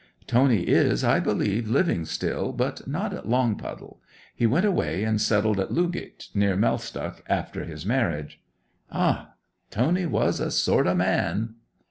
Tony is, I believe, living still, but not at Longpuddle. He went away and settled at Lewgate, near Mellstock, after his marriage. Ah, Tony was a sort o' man!